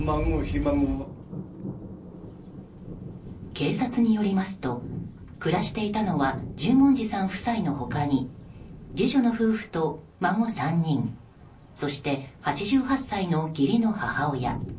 警察によりますと暮らしていたのは十文字さん夫妻の他に次女の夫婦と孫３人そして８８歳の義理の母親。